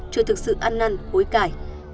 chưa thực sự ăn năn hối cải